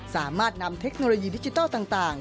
สามารถนำเทคโนโลยีดิจิทัลต่าง